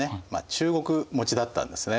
中国持ちだったんですね。